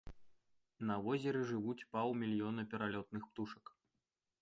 На возеры жывуць паўмільёна пералётных птушак.